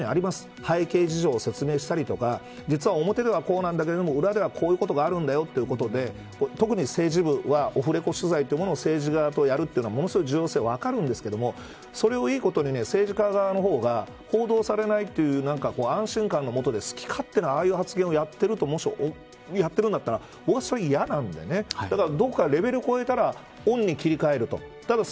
背景事情を説明したりとか実は表ではこうなんだけど裏ではこういうことがあるんですよということで特に政治部は、オフレコ取材を政治側とやるのは重要性は分かるんですけどそれをいいことに政治家側の方は報道されないという安心感のもとで好き勝手なああいう発言をもしも、やってるんだったら僕は、それ嫌なんでどこかレベルを超えたらオンに切り替えると。